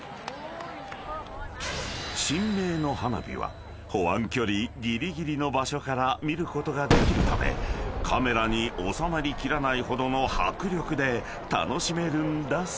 ［神明の花火は保安距離ぎりぎりの場所から見ることができるためカメラに収まり切らないほどの迫力で楽しめるんだそう］